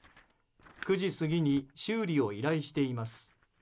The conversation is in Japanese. ９時過ぎに修理を依頼しています。